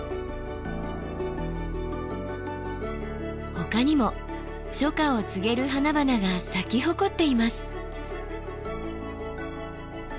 ほかにも初夏を告げる花々が咲き誇っています。